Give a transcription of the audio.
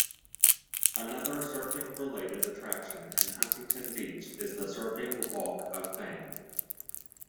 Another surfing-related attraction in Huntington Beach is the Surfing Walk of Fame.